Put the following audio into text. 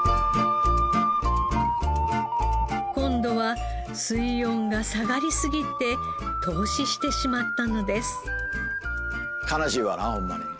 今度は水温が下がりすぎて凍死してしまったのです。